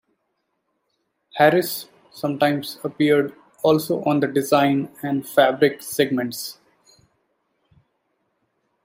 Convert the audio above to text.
Harris sometimes appeared also on the design and fabric segments.